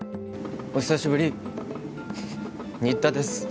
お久しぶり新田です